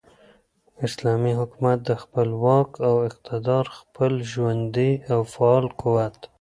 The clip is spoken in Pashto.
اسلامي حكومت دخپل واك او اقتدار ،خپل ژوندي او فعال قوت ،